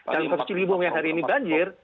jalur ciliwung yang hari ini banjir